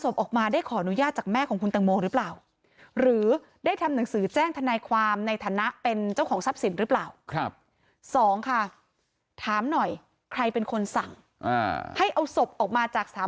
ไปดูก่อนนะคะ